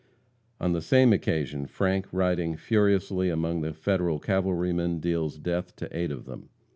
On the same occasion Frank, riding furiously among the Federal cavalrymen, deals death to eight of them.